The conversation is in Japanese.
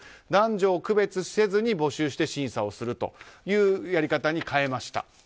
男女を区別せずに募集して審査をするやり方に変えました。